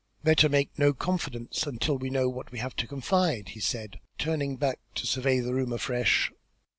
"Better make no confidants until we know what we have to confide," he said, turning back to survey the room afresh.